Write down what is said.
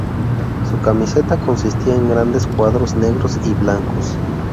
Su camiseta consistía en grandes cuadros negros y blancos.